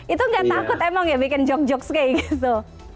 itu gak takut emang ya bikin joke jokes kayak gitu